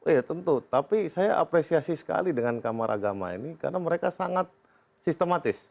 iya tentu tapi saya apresiasi sekali dengan kamar agama ini karena mereka sangat sistematis